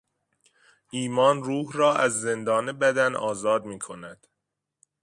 ایمان روح را از زندان بدن آزاد میکند.